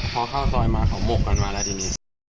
พอเข้าซอยมาเขาบกกันมาแล้วทีนี้